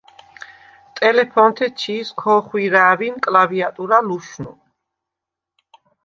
ტელეფონთე ჩი̄სქო̄ხუ̂ი̄რა̄̈უ̂ინ კლავიატურა "ლუშნუ".